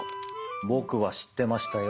僕は知ってましたよ。